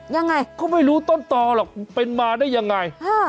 ยังไงก็ไม่รู้ต้นต่อหรอกเป็นมาได้ยังไง